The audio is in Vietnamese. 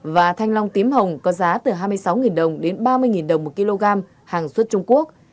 và thanh long tím hồng có giá từ hai mươi sáu đồng đến ba mươi đồng một kg hàng xuất trung quốc